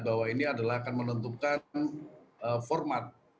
bahwa ini adalah akan menentukan format dari pemilu